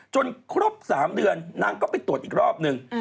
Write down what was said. ครบ๓เดือนนางก็ไปตรวจอีกรอบนึง